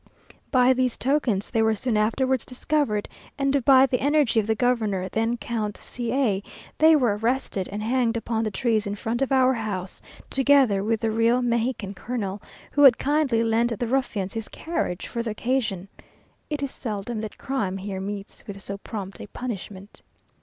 By these tokens they were soon afterwards discovered, and by the energy of the Governor, then Count C a, they were arrested and hanged upon the trees in front of our house, together with the real Mexican colonel, who had kindly lent the ruffians his carriage for the occasion. It is seldom that crime here meets with so prompt a punishment.